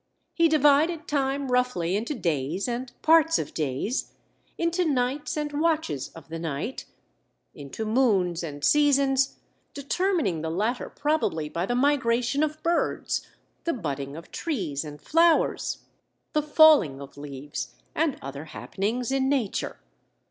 He divided time roughly into days and parts of days, into nights and watches of the night, into moons and seasons—determining the latter probably by the migration of birds, the budding of trees and flowers, the falling of leaves and other happenings in nature.